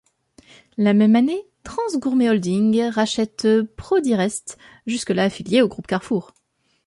La même année, Transgourmet Holding rachète Prodirest, jusque-là affilié au groupe Carrefour.